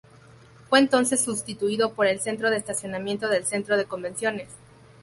Fue entonces sustituido por el centro de estacionamiento del centro de convenciones.